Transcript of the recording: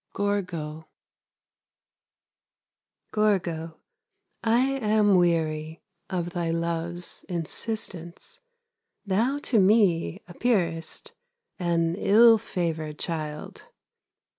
GORGO Gorgo, I am weary Of thy love's insistence, Thou to me appearest An ill favored child.